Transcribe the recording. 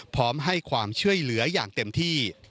พร้อมให้ความช่วยเหลืออย่างเต็มที่